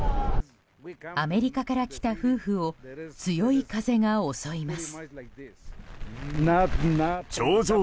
アメリカから来た夫婦を強い風が襲います。